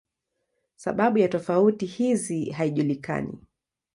Sababu ya tofauti hizi haijulikani.